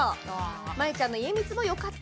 真由ちゃんの家光もよかった。